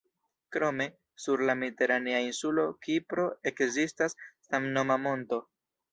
Krome, sur la mediteranea insulo Kipro ekzistas samnoma monto.